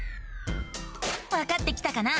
わかってきたかな？